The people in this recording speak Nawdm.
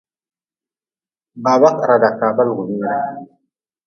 Baba raada kaaba lugʼbire.